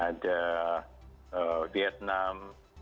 ada di vietnam